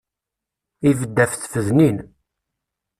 Ibedd af tfednin.